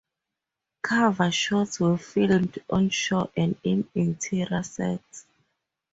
Cover shots were filmed on shore and in interior sets.